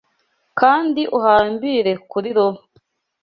Kandi uhambire kuri robo